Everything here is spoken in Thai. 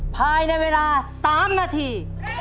ภายในเวลา๓นาที